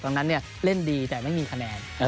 นั้นเล่นดีแต่ไม่มีคะแนน